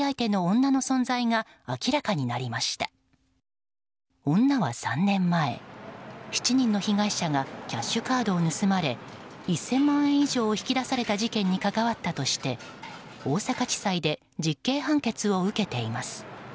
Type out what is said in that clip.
女は３年前、７人の被害者がキャッシュカードを盗まれ１０００万円以上が引き出された事件に関わったとして大阪地裁で実刑判決を受けています。